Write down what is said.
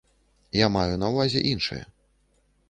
Я маю на ўвазе іншае.